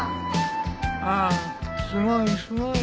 ああすごいすごい。